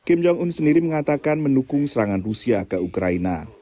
kim jong un sendiri mengatakan mendukung serangan rusia ke ukraina